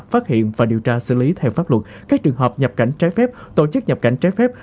phát hiện và điều tra xử lý theo pháp luật các trường hợp nhập cảnh trái phép tổ chức nhập cảnh trái phép